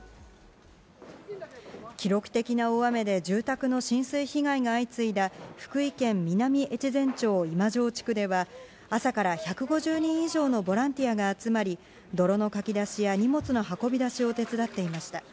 記録的な大雨で、住宅の浸水被害が相次いだ福井県南越前町今庄地区では、朝から１５０人以上のボランティアが集まり、泥のかき出しや荷物の運び出しを手伝っていました。